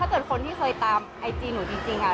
เกิดคนที่เคยตามไอจีหนูจริงค่ะ